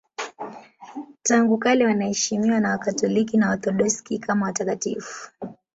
Tangu kale wanaheshimiwa na Wakatoliki na Waorthodoksi kama watakatifu.